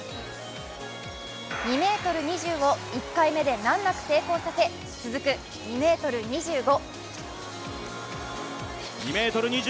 ２ｍ２０を１回目で難なく成功させ、続く２ｍ２５。